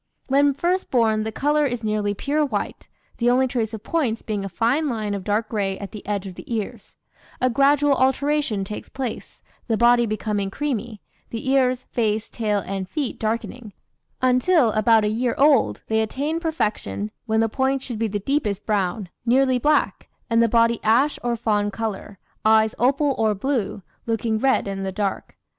"When first born the colour is nearly pure white, the only trace of 'points' being a fine line of dark gray at the edge of the ears; a gradual alteration takes place, the body becoming creamy, the ears, face, tail, and feet darkening, until, about a year old, they attain perfection, when the points should be the deepest brown, nearly black, and the body ash or fawn colour, eyes opal or blue, looking red in the dark.